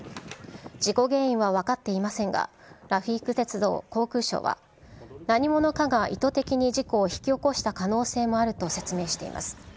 事故原因は分かっていませんが、ラフィーク鉄道・航空相は、何者かが意図的に事故を引き起こした可能性もあると説明しています。